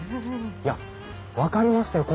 いや分かりましたよ。